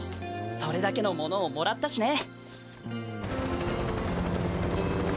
それだけのものをもらったしね。